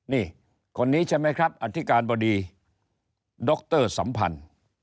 นี่คนนี้ใช่ไหมครับอธิการบดีดรสัมพันธ์